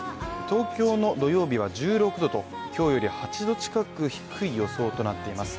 東京の土曜日は１６度と今日より８度近く低い予報となっています。